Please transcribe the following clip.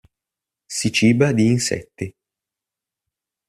Si ciba di insetti.